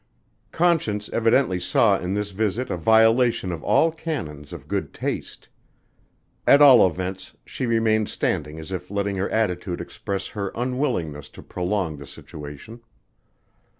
Conscience evidently saw in this visit a violation of all canons of good taste. At all events she remained standing as if letting her attitude express her unwillingness to prolong the situation.